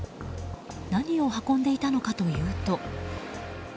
何を運んでいたのかというと。